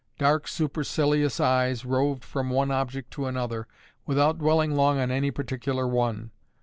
Dark supercilious eyes roved from one object to another, without dwelling long on any particular one.